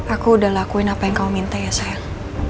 aku udah lakuin apa yang kau minta ya sayang